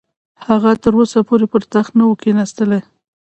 هغه تر اوسه پورې پر تخت نه وو کښېنستلی.